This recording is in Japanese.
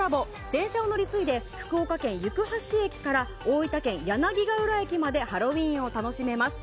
電車を乗り継いで福岡県行橋駅から大分県柳ヶ浦駅までハロウィーン楽しめます。